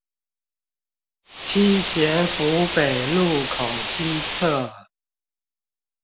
七賢府北路口西側